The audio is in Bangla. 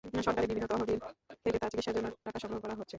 সরকারের বিভিন্ন তহবিল থেকে তার চিকিৎসার জন্য টাকা সংগ্রহ করা হচ্ছে।